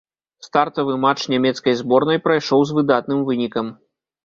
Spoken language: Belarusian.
Стартавы матч нямецкай зборнай прайшоў з выдатным вынікам.